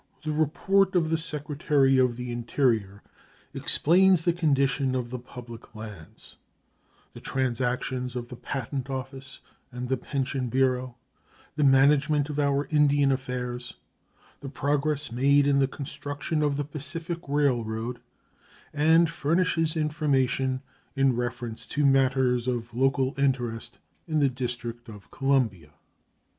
The report of the Secretary of the Interior explains the condition of the public lands, the transactions of the Patent Office and the Pension Bureau, the management of our Indian affairs, the progress made in the construction of the Pacific Railroad, and furnishes information in reference to matters of local interest in the District of Columbia.